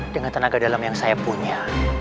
dengan tenaga dalam yang saya punya